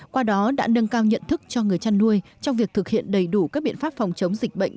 qua đó đã nâng cao nhận thức cho người chăn nuôi trong việc thực hiện đầy đủ các biện pháp phòng chống dịch bệnh